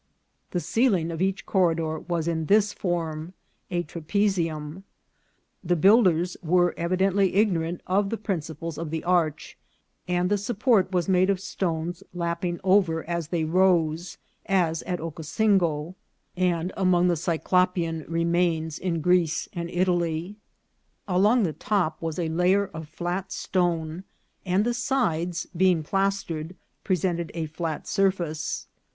The ceiling of each corridor was in this form /"]. The builders were evidently ignorant of the principles of the arch, and the support was made by stones lap ping over as they rose, as at Ocosingo, and among the VOL. II.— R R 27 314 INCIDENTS OF TRAVEL. Cyclopean remains in Greece and Italy. Along the top was a layer of flat stone, and the sides, being plas tered, presented a flat surface.